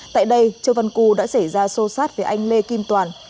tại đây châu văn cư đã xảy ra sô sát với anh lê kim toàn